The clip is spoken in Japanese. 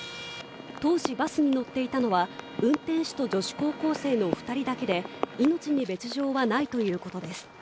当時バスに乗っていたのは運転手と女子高校生の二人だけで命に別条はないということです